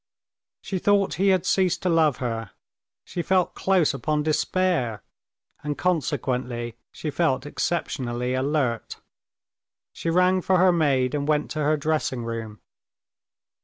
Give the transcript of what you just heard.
She thought he had ceased to love her, she felt close upon despair, and consequently she felt exceptionally alert. She rang for her maid and went to her dressing room.